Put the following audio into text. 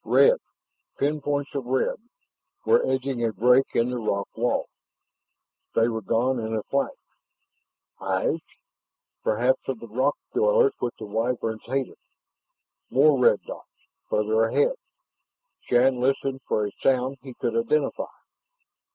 Red pinpoints of red were edging a break in the rock wall. They were gone in a flash. Eyes? Perhaps of the rock dwellers which the Wyverns hated? More red dots, farther ahead. Shann listened for a sound he could identify.